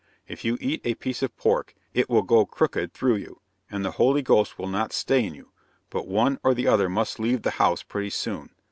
If you eat a piece of pork, it will go crooked through you, and the Holy Ghost will not stay in you; but one or the other must leave the house pretty soon.